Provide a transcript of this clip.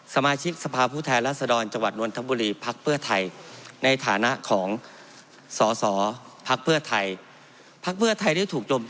สมาชิกสมาธิสภาผู้แทนและสะดองจังหวัดนวลทำบุรีภักษ์เพื่อไทยในฐานะของสชภักษ์เพื่อไทย